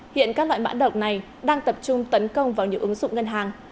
hiện các loại mã độc này đang tập trung tấn công vào những ứng dụng ngân hàng